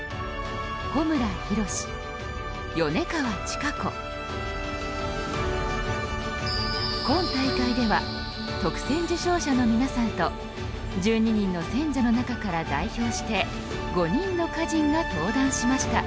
選者は今大会では特選受賞者の皆さんと１２人の選者の中から代表して５人の歌人が登壇しました。